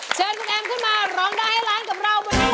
เช็ดคุณแอมขึ้นมาร้องด้ายหายล้านกับเราบนนี้เลยนะครับ